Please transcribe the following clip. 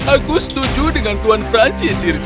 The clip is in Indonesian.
aku setuju dengan tuan francis sir j